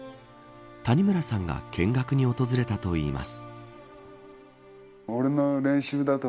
谷村さんが見学に訪れたといいます。